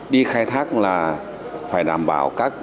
đi khai thác là phải đảm bảo các